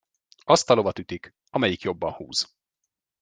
Azt a lovat ütik, amelyik jobban húz.